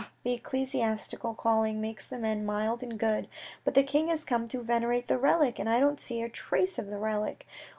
" Ah, the ecclesiastical calling makes men mild and good. But the king has come to venerate the relic, and I don't see a trace of the relic.